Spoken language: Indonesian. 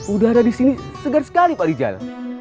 udara disini segar sekali pak rizal